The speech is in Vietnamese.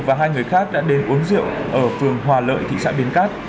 và hai người khác đã đến uống rượu ở phường hòa lợi thị xã bến cát